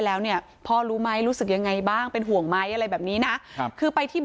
แล้วเนี่ยพ่อรู้ไหมรู้สึกยังไงบ้างเป็นห่วงไหมอะไรแบบนี้นะครับคือไปที่